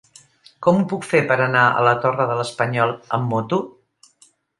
Com ho puc fer per anar a la Torre de l'Espanyol amb moto?